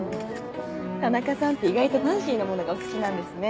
田中さんって意外とファンシーなものがお好きなんですね。